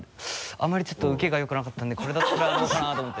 あんまりちょっとウケがよくなかったんでこれだったらどうかなと思って。